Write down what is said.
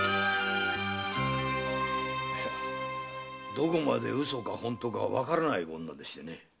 どこまでウソか本当かわからない女でしてね。